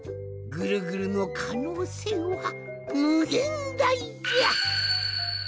ぐるぐるのかのうせいはむげんだいじゃ！